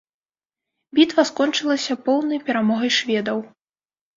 Бітва скончылася поўнай перамогай шведаў.